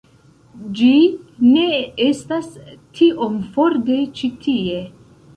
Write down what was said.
Ĝi ne estas tiom for de ĉi tie